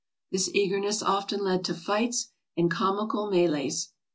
This eagerness often led to fights and comical melees.